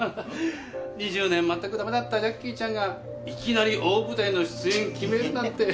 ２０年全くダメだったジャッキーちゃんがいきなり大舞台の出演決めるなんて